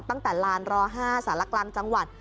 ตั้งแต่ลานร๕สารกลางจังหวัด